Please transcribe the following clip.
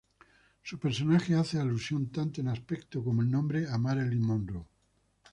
Su personaje hace alusión tanto en aspecto como en nombre a Marilyn Monroe.